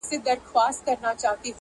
خو پيشو راته په لاره كي مرگى دئ-